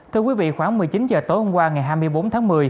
thưa quý vị khoảng một mươi chín h tối hôm qua ngày hai mươi bốn tháng một mươi